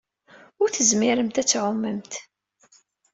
Ur tezmiremt ad tɛumemt.